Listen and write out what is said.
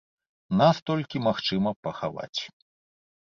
Нас толькі магчыма пахаваць.